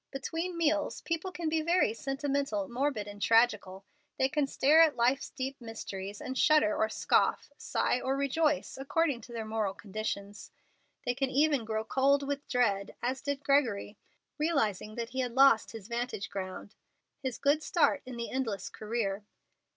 Between meals people can be very sentimental, morbid, and tragical. They can stare at life's deep mysteries and shudder or scoff, sigh or rejoice, according to their moral conditions. They can even grow cold with dread, as did Gregory, realizing that he had "lost his vantage ground," his good start in the endless career.